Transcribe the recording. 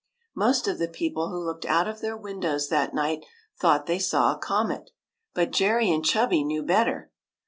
Most of the people who looked out of their windows that night thought they saw a comet ; but Jerry and Chubby knew better.